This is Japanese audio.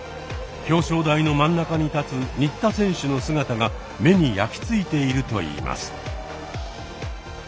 表彰台の真ん中に立つ新田選手の姿が目に焼き付いているといいます。